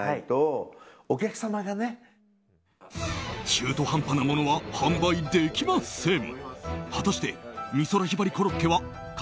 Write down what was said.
中途半端なものは販売できません。